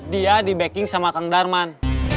dia di backing sama kang darman